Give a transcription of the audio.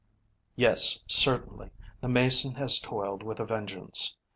Yes, certainly, the Mason has toiled with a vengeance.